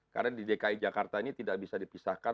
karena di dki jakarta ini tidak bisa dipisahkan